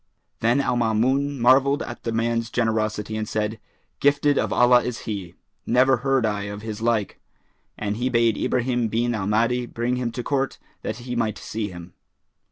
Then Al Maamun marvelled at the man's generosity and said, "Gifted of Allah is he! Never heard I of his like." And he bade Ibrahim bin al Mahdi bring him to court, that he might see him.